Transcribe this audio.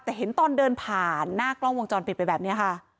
แต่เห็นตอนเดินผ่านหน้ากล้องวงจรปิดไปแบบนี้ค่ะ